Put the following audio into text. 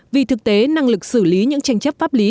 vì thực tế năng lực xử lý những tranh chấp pháp lý